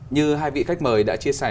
như hai vị khách mời đã chia sẻ